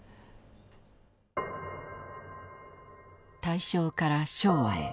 大正から昭和へ。